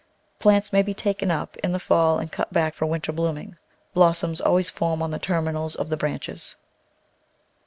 Plants may be taken up in the fall and cut back for winter blooming. Blossoms always form on the terminals of the branches.